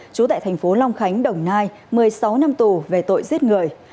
trú tại thành phố long khánh đồng nai một mươi sáu năm tù về tội giết người